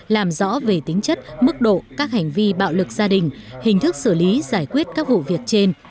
làm rõ về tính chất mức độ các hành vi bạo lực gia đình hình thức xử lý giải quyết các vụ việc trên